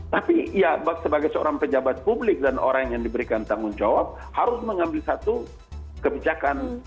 tapi ya sebagai seorang pejabat publik dan orang yang diberikan tanggung jawab harus mengambil satu kebijakan